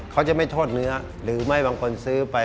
เขาจะไม่โทษเนื้อหรือไม่บางคนซื้อไป